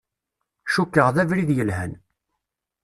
Cukkeɣ d abrid yelhan.